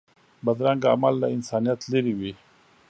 بدرنګه عمل له انسانیت لرې وي